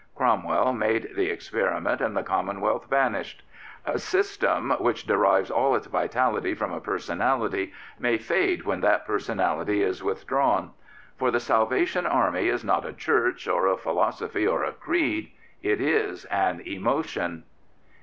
Cromwell made the experiment and the Commonwealth vanished. A system which derives all its vitality from a personality may fade when that personality is withdrawn. For the Salvation Army is not a Church or a philosophy or a creed; it is an emotion.